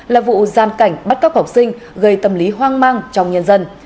là vụ gian cảnh bắt cóc học sinh gây tâm lý hoang mang trong nhân dân